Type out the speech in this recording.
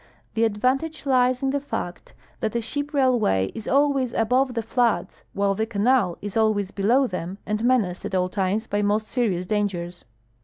The adA'antage lies in the fact that a ship raihvay is ahvays alcove the floods, Avhile the canal is alAVays IacIoav them and menaced at all times by most serious dangers.